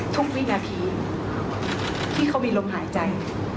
วินาทีที่เขามีลมหายใจ